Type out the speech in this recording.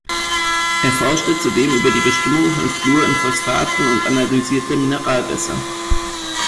Er forschte zudem über die Bestimmung von Fluor in Phosphaten und analysierte Mineralwässer.